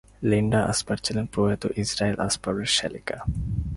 Linda Asper ছিলেন প্রয়াত Israel আসপারের শ্যালিকা।